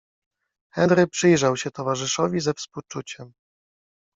Henry przyjrzał się towarzyszowi ze współczuciem.